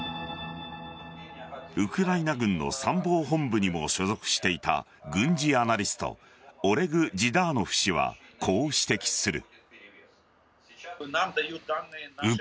ウクライナ軍の参謀本部にも所属していた軍事アナリストオレグ・ジダーノフ氏はこう指摘する。